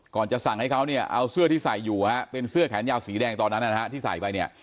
ก่อนจะสั่งให้เขาเอาเสื้อที่ใส่อยู่เป็นเสื้อแขนยาวสีแดงตอนนั้นที่ใส่ไป